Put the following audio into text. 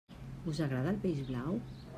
Us agrada el peix blau?